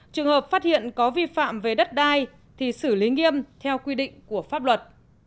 trường hợp phát hiện có vi phạm về đất đai thì xử lý nghiêm theo quy định của pháp luật